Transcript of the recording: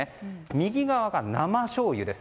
右側が、なましょうゆです。